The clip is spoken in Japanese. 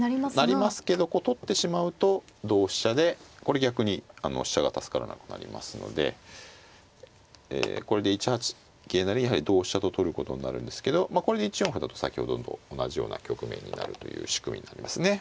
なりますけどこう取ってしまうと同飛車でこれ逆に飛車が助からなくなりますのでこれで１八桂成に同飛車と取ることになるんですけどこれで１四歩だと先ほどと同じような局面になるという仕組みになりますね。